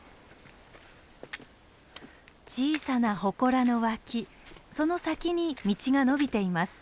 小さな祠の脇その先に道が延びています。